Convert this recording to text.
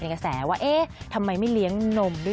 โพสต์ลูบเลยครับ